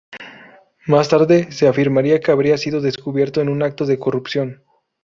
Más tarde se afirmaría que habría sido descubierto en un acto de corrupción.